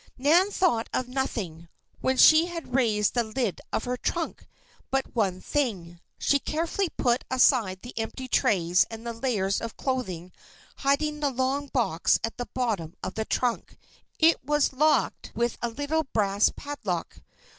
Nan thought of nothing, when she had raised the lid of her trunk, but one thing. She carefully put aside the empty trays and the layers of clothing hiding the long box at the bottom of the trunk. It was locked with a little brass padlock.